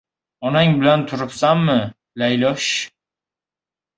— Onang bilan turibsanmi, Laylosh?